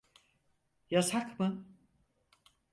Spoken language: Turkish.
Yasak mı?